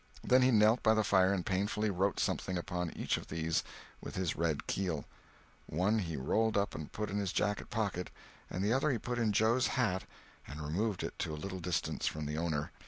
Then he knelt by the fire and painfully wrote something upon each of these with his "red keel"; one he rolled up and put in his jacket pocket, and the other he put in Joe's hat and removed it to a little distance from the owner.